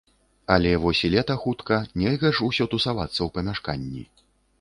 Але вось і лета хутка, нельга ж усё тусавацца ў памяшканні.